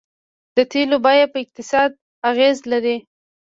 د تیلو بیه په اقتصاد اغیز لري.